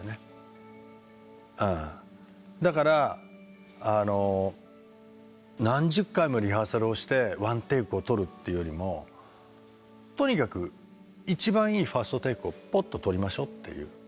だから何十回もリハーサルをしてワンテイクを撮るっていうよりもとにかく一番いいファーストテイクをポッと撮りましょうっていう。